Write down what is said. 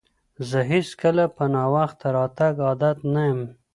زه هیڅکله په ناوخته راتګ عادت نه یم.